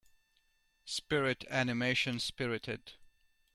Spirit animation Spirited.